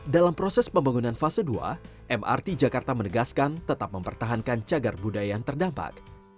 dalam proses pembangunan fase dua mrt jakarta menegaskan tetap mempertahankan cagar budaya yang terdampak